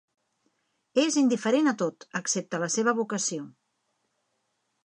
És indiferent a tot, excepte a la seva vocació.